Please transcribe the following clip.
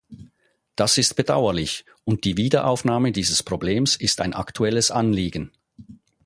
Das ist bedauerlich, und die Wiederaufnahme dieses Problems ist ein aktuelles Anliegen.